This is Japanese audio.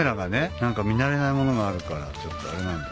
何か見慣れないものがあるからちょっとあれなんだ。